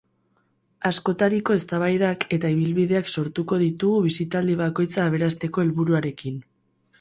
Askotariko eztabaidak eta ibilbideak sortuko ditugu bisitaldi bakoitza aberasteko helburuarekin.